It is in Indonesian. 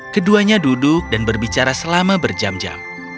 keduanya duduk dan berbicara selama berjam jam